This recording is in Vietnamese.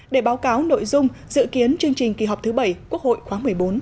để báo cáo nội dung dự kiến chương trình kỳ họp thứ bảy quốc hội khóa một mươi bốn